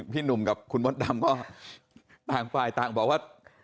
พี่หนุ่มกับคุณมดดำก็ต่างฝ่ายต่างบอกว่า